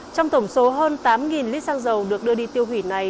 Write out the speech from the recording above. trong tổng số hơn tám lít xăng dầu được đưa đi tiêu hủy này